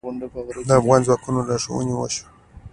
د افغان ځواکونو لارښوونه وشوه.